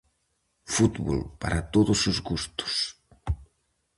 Fútbol para todos os gustos.